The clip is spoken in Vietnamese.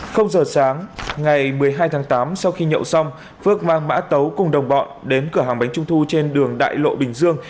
giờ sáng ngày một mươi hai tháng tám sau khi nhậu xong phước mang mã tấu cùng đồng bọn đến cửa hàng bánh trung thu trên đường đại lộ bình dương